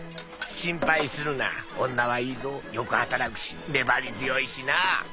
心配するな女はいいぞよく働くし粘り強いしな。